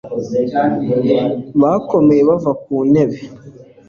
bakomeye bava ku ntebe